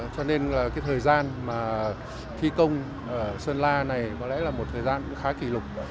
cho nên thời gian thi công sơn la này có lẽ là một thời gian khá kỷ lục